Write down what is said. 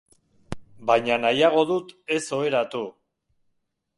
Baina nahiago dut ez oheratu.